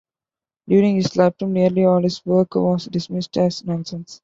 During his lifetime nearly all his work was dismissed as nonsense.